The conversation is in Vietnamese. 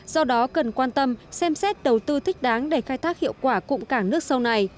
do đó cần quan tâm xem xét đầu tư thích đáng để khai thác hiệu quả cụm cảng nước sâu này